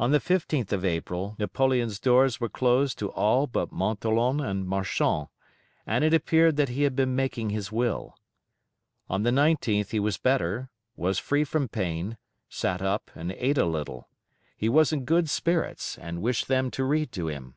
On the 15th of April Napoleon's doors were closed to all but Montholon and Marchand, and it appeared that he had been making his Will. On the 19th he was better, was free from pain, sat up, and ate a little. He was in good spirits, and wished them to read to him.